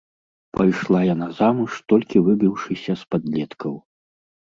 Пайшла яна замуж толькі выбіўшыся з падлеткаў.